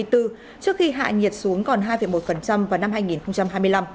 trước khi hạ nhiệt xuống còn hai một vào năm hai nghìn hai mươi năm